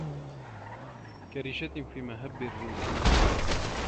كريشة في مهب الريح